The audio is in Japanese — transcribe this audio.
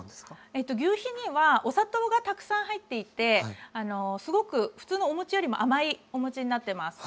ぎゅうひにはお砂糖がたくさん入っていてすごく普通のお餅よりも甘いお餅になってます。